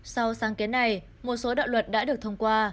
sau sáng kiến này một số đạo luật đã được thông qua